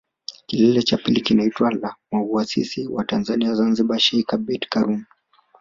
Kilele cha pili kinaitwa jina la Muasisi wa Tanzania Zanzibar Sheikh Abeid Karume